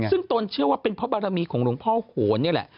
ซึ่งตนเชื่อว่าเป็นพระบารมีของหลวงพ่อโขนนี่แหละ